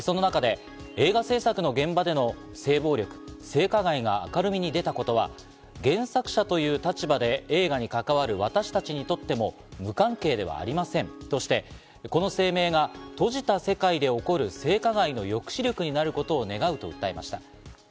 その中で映画制作の現場での性暴力・性加害が明るみに出たことは、原作者という立場で映画に関わる私達にとっても無関係ではありませんとして、この声明が閉じた世界で起こる性加害の抑止力になることを願うと訴えました。